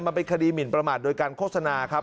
มันเป็นคดีหมินประมาทโดยการโฆษณาครับ